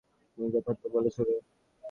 তুমি যথার্থ বলেছো, রে!